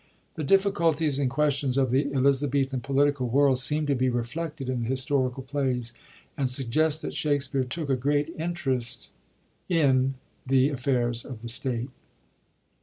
The difficulties and questions of the Elizabethan political world seem to be reflected in the historical plays, and suggest that Shakspere took a great interest in the affairs of the State.